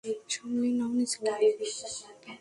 সামলে নাও নিজেকে।